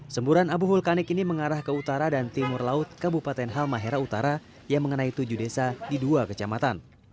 semburan abu vulkanik ini mengarah ke utara dan timur laut kabupaten halmahera utara yang mengenai tujuh desa di dua kecamatan